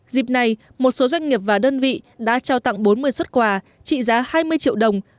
dịp này một số doanh nghiệp và đơn vị đã trao tặng bốn mươi xuất quà trị giá hai mươi triệu đồng